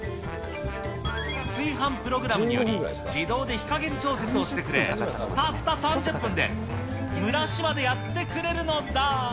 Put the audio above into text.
炊飯プログラムにより、自動で火加減調節をしてくれ、たった３０分で蒸らしまでやってくれるのだ。